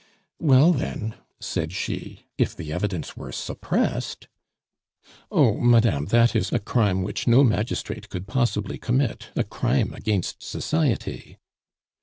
"Well, then," said she, "if the evidence were suppressed ?" "Oh, madame, that is a crime which no magistrate could possibly commit a crime against society."